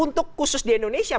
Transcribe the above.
untuk khusus di indonesia